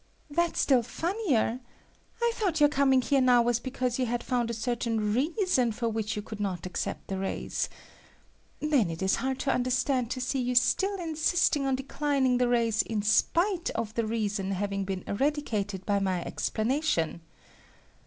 "That's still funnier. I thought your coming here now was because you had found a certain reason for which you could not accept the raise. Then it is hard to understand to see you still insisting on declining the raise in spite of the reason having been eradicated by my explanation."